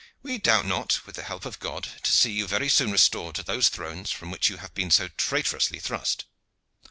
"We doubt not, with the help of God, to see you very soon restored to those thrones from which you have been so traitorously thrust."